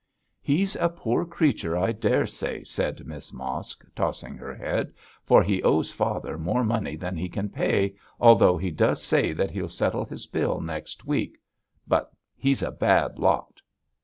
'He's a poor creature, I daresay,' said Miss Mosk, tossing her head, 'for he owes father more money than he can pay, although he does say that he'll settle his bill next week. But he's a bad lot.'